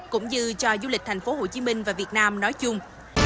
cũng như cho du lịch thành phố hồ chí minh và việt nam nói chung